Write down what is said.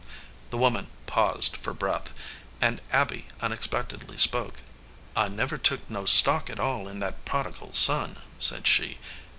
The woman paused for breath, and Abby unex pectedly spoke. "I never took no stock at all in that prodigal son," said she.